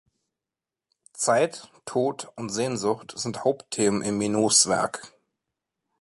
Zeit, Tod und Sehnsucht sind Hauptthemen in Minots Werk.